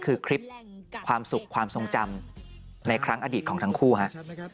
คือคลิปความสุขความทรงจำในครั้งอดีตของทั้งคู่ฮะ